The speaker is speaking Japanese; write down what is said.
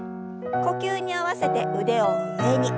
呼吸に合わせて腕を上に。